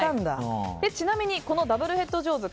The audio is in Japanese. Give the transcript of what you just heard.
ちなみにこの「ダブルヘッド・ジョーズ」